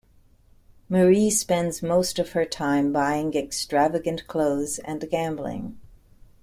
Marie spends most of her time buying extravagant clothes and gambling.